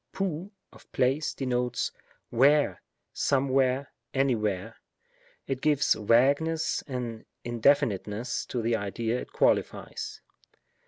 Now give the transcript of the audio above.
izoify of place, denotes wlwre^ somewhere^ anywhere ; it gives vagueness and indefiniteness to the idea it qualifies.